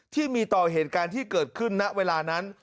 ที่มีต่อเหตุการณ์ที่เกิดขึ้นณเวลานั้น